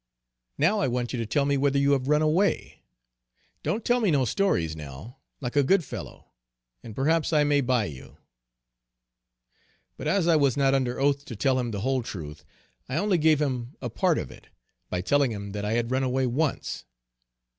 "Now I want you to tell me whether you have run away? Don't tell me no stories now, like a good fellow, and perhaps I may buy you." But as I was not under oath to tell him the whole truth, I only gave him a part of it, by telling him that I had run away once.